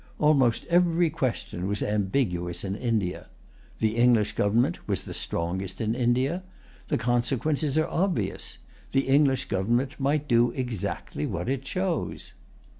Almost every question was ambiguous in India. The English government was the strongest in India. The consequences are obvious. The English government might do exactly what it chose.